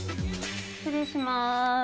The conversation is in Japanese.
失礼します。